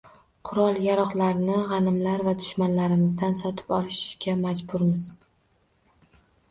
Qurol-yarog‘larni g‘animlar va dushmanlarimizdan sotib olishga majburmiz